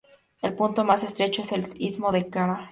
Su punto más estrecho es el istmo de Kra.